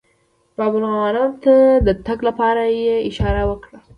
باب الغوانمه ته د تګ لپاره یې اشاره وکړه.